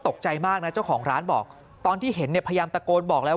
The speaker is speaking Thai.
ตกใจมากนะเจ้าของร้านบอกตอนที่เห็นเนี่ยพยายามตะโกนบอกแล้ว